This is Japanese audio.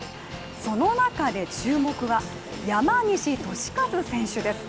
その中で注目は山西利和選手です。